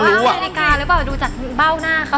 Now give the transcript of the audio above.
หนูว่าอเมริกาหรือเปล่าดูจากเบ้าหน้าเขา